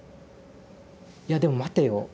いやでも待てよ。